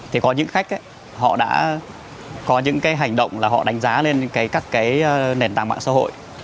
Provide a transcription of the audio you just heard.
thì có những khách họ đã có những cái hành động là họ đánh giá lên các cái nền tảng mạng xã hội